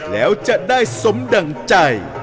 แล้วจะได้สมดั่งใจ